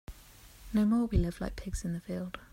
No more we live like pigs in the field.